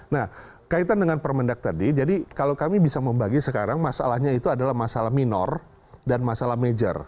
nah kaitan dengan permendak tadi jadi kalau kami bisa membagi sekarang masalahnya itu adalah masalah minor dan masalah major